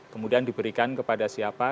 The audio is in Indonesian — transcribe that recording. kemudian diberikan kepada siapa